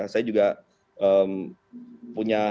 saya juga punya